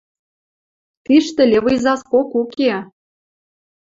Тиштӹ левый заскок уке.